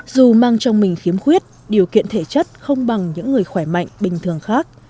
dù mang trong mình khiếm khuyết điều kiện thể chất không bằng những người khỏe mạnh bình thường khác